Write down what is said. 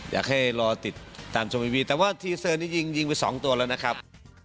อยากให้รอติดตามชมทีวีแต่ว่าทีเซอร์นี้ยิงยิงไปสองตัวแล้วนะครับ